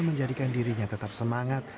menjadikan dirinya tetap semangat